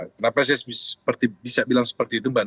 kenapa saya bisa bilang seperti itu mbak